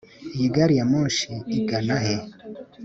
Iyi gari ya moshi igana he